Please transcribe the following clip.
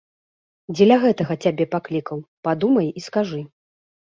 Дзеля гэтага цябе паклікаў, падумай і скажы.